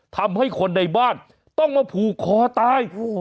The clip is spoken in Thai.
ทำให้คนในบ้านต้องมาผูกคอตาย